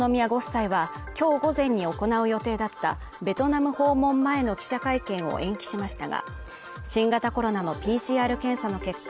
秋篠宮ご夫妻はきょう午前に行う予定だったベトナム訪問前の記者会見を延期しましたが新型コロナのＰＣＲ検査の結果